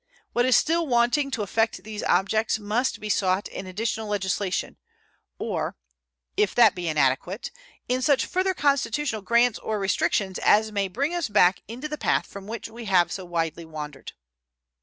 What is still wanting to effect these objects must be sought in additional legislation, or, if that be inadequate, in such further constitutional grants or restrictions as may bring us back into the path from which we have so widely wandered.